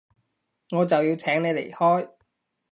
我就要請你離開